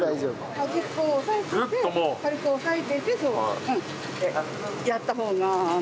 端っこを押さえてて軽く押さえててそうやった方が。